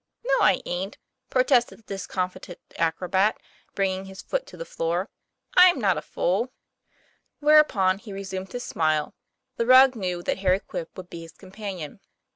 "No, I ain't," protested the discomfited acrobat, bringing his foot to the floor; " I'm not a fool." 126 TOM PL A YFAIR. Whereupon he resumed his smile: the rogue knew that Harry Quip would be his companion.